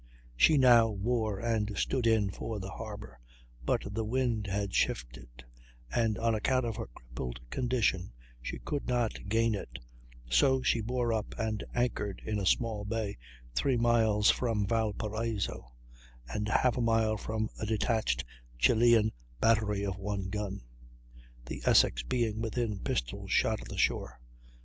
She now wore and stood in for the harbor, but the wind had shifted, and on account of her crippled condition she could not gain it; so she bore up and anchored in a small bay, three miles from Valparaiso, and half a mile from a detached Chilian battery of one gun, the Essex being within pistol shot of the shore.